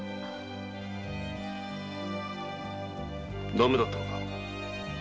駄目だったのか？